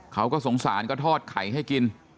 เขาก็สงสารก็ทอดไข่ให้กิน